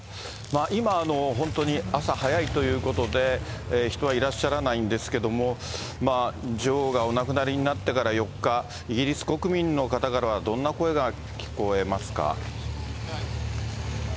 今、本当に朝早いということで、人はいらっしゃらないんですけれども、女王がお亡くなりになってから４日、イギリス国民の方からは、どんな声が聞こえますか。